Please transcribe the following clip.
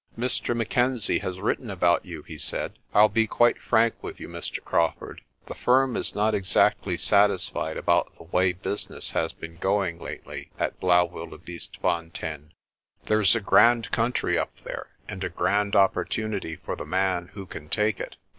"Mr. Mackenzie has written about you," he said. "I'll be quite frank with you, Mr. Crawford. The firm is not exactly satisfied about the way business has been going lately at Blaauwildebeestefontein. There's a grand coun try up there, and a grand opportunity for the man who can take it.